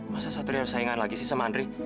masa satria saingan lagi sih sama andri